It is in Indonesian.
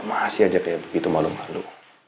masih aja kayak begitu malu malu